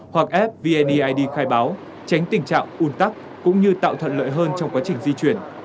hoặc ép vneid khai báo tránh tình trạng un tắc cũng như tạo thuận lợi hơn trong quá trình di chuyển